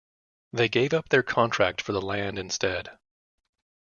They gave up their contract for the land instead.